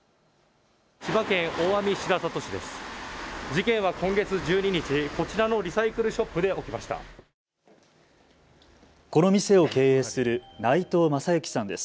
千葉県大網白里市です。